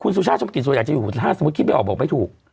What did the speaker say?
สุชาติชมกิจส่วนใหญ่จะอยู่ถ้าสมมุติคิดไม่ออกบอกไม่ถูก